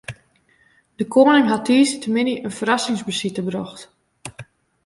De koaning hat tiisdeitemiddei in ferrassingsbesite brocht.